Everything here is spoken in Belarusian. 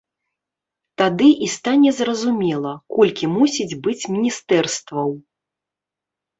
Тады і стане зразумела, колькі мусіць быць міністэрстваў.